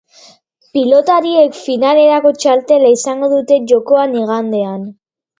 Pilotariek finalerako txartela izango dute jokoan igandean.